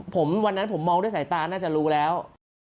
ผมวันนั้นผมมองด้วยสายตาน่าจะรู้แล้ว